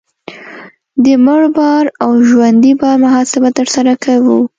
د مړ بار او ژوندي بار محاسبه ترسره کوو